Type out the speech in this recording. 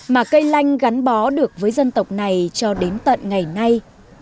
mà cây lanh gắn bó được với dân tộc này cho đến tận ngày nay